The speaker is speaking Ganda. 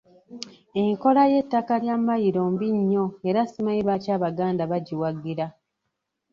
Enkola y’ettaka lya mayiro mbi nnyo era simanyi lwaki Abaganda bagiwagira.